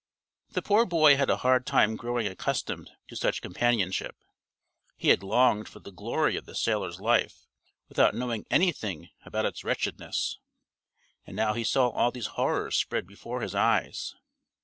The poor boy had a hard time growing accustomed to such companionship. He had longed for the glory of the sailor's life without knowing anything about its wretchedness, and now he saw all these horrors spread before his eyes.